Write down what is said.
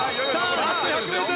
ラスト１００ｍ。